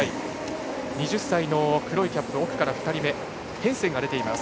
２０歳の黒いキャップ奥から２人目ヘンセンが出ています。